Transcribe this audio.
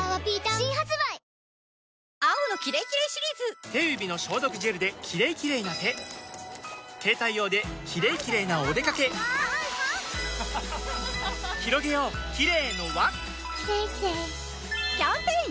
新発売手指の消毒ジェルで「キレイキレイ」な手携帯用で「キレイキレイ」なおでかけひろげようキレイの輪キャンペーンやってます！